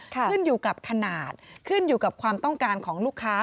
ขึ้นอยู่กับขนาดขึ้นอยู่กับความต้องการของลูกค้า